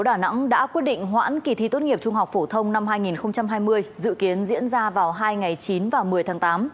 đà nẵng đã quyết định hoãn kỳ thi tốt nghiệp trung học phổ thông năm hai nghìn hai mươi dự kiến diễn ra vào hai ngày chín và một mươi tháng tám